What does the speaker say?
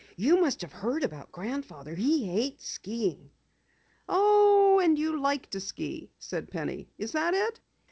You must have heard about Grandfather. He hates skiing." "Oh, and you like to ski," said Penny, "is that it?"